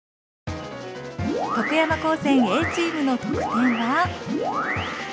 徳山高専Ａチームの得点は。